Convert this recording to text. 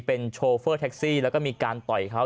เป็นโชเฟอร์แท็กซี่แล้วก็มีการต่อยเขา